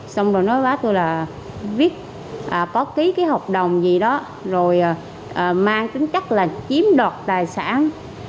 xong rồi nó báo tôi là viết có ký cái hợp đồng gì đó rồi mang tính chắc là chiếm đoạt tài sản